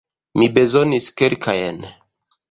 Mi bezonis kelkajn.